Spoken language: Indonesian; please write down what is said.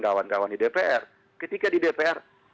kawan kawan di dpr ketika di dpr